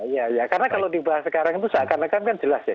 iya ya karena kalau dibahas sekarang itu seakan akan kan jelas ya